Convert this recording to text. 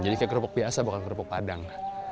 jadi kayak kerupuk biasa bukan kerupuk padang